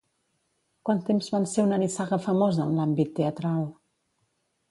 Quant temps van ser una nissaga famosa en l'àmbit teatral?